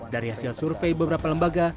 dari hasil survei beberapa lembaga